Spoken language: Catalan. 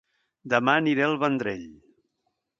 Dema aniré a El Vendrell